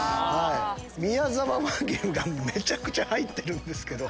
みやざわ和牛がめちゃくちゃ入ってるんですけど。